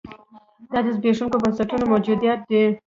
دا د زبېښونکو بنسټونو موجودیت دی.